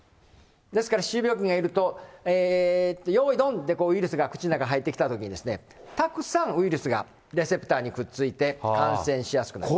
ですから、歯周病菌がいると、よーいどんでウイルスが口の中に入ってきたときに、たくさんウイルスがレセプターにくっついて感染しやすくなります。